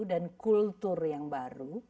dan kultur yang baru